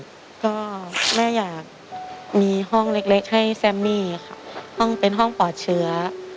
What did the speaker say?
แล้วก็แม่อยากมีห้องเล็กให้แซมมี่ค่ะห้องเป็นห้องปลอดเชื้อ